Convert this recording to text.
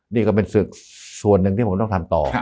นี่ก็เป็นศึกส่วนหนึ่งที่ผมต้องทำต่อ